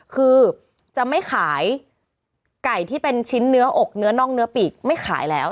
คือจะไม่ขายไก่ที่เป็นชิ้นเนื้ออกเนื้อน่องเนื้อปีกไม่ขายแล้ว